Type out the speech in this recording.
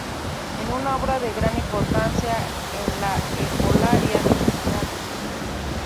Es una obra de gran importancia en la herbolaria medicinal.